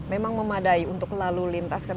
memang memadai untuk lalu lintas kan